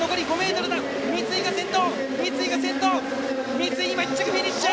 三井、１着フィニッシュ！